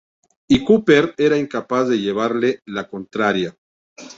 Y Cooper era incapaz de llevarle la contraria.